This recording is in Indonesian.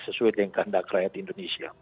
sesuai dengan kandang kerajaan indonesia